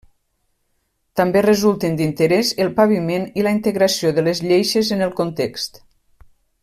També resulten d'interès el paviment i la integració de les lleixes en el context.